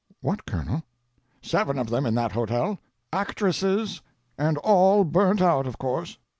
_" "What, Colonel?" "Seven of them in that hotel. Actresses. And all burnt out, of course."